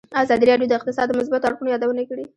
ازادي راډیو د اقتصاد د مثبتو اړخونو یادونه کړې.